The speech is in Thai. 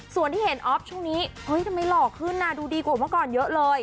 ส่วนที่เห็นออฟช่วงนี้เฮ้ยทำไมหล่อขึ้นนะดูดีกว่าเมื่อก่อนเยอะเลย